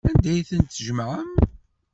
Anda ay tent-tjemɛem?